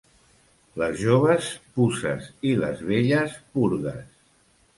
Les joves, puces, i les velles, purgues.